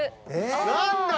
何だ？